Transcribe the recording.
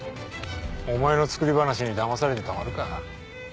お前の作り話にだまされてたまるか。